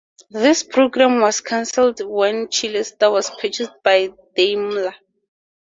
This program was cancelled when Chrysler was purchased by Daimler.